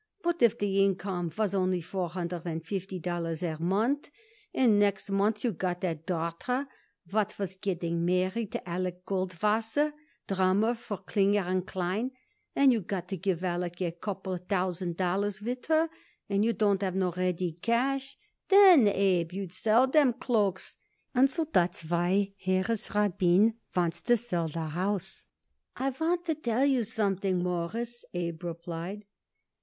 "But if the income was only four hundred and fifty dollars a month, and next month you got a daughter what was getting married to Alec Goldwasser, drummer for Klinger & Klein, and you got to give Alec a couple of thousand dollars with her, but you don't have no ready cash, then, Abe, you'd sell them cloaks, and so that's why Harris Rabin wants to sell the house." "I want to tell you something, Mawruss," Abe replied.